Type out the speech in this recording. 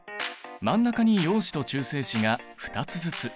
真ん中に陽子と中性子が２つずつ。